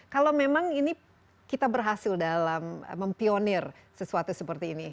kalau memang ini kita berhasil dalam mempionir sesuatu seperti ini